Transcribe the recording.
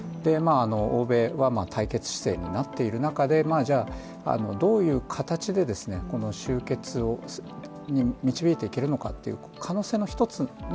欧米は対決姿勢になっている中でどういう形で終結に導いていけるのかというのがあります。